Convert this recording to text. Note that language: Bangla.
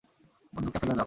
বন্দুকটা ফেলে দাও!